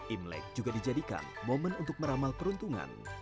imlek juga dijadikan momen untuk meramal peruntungan